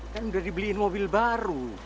kan udah dibeliin mobil baru